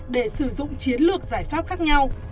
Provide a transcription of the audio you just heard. để sử dụng chiến lược giải pháp khác nhau